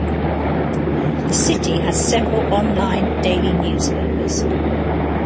The city has several online daily newspapers.